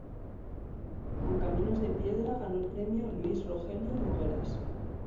Con "Caminos de piedra" ganó el Premio Luis Rogelio Nogueras.